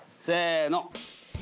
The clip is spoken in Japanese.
せの。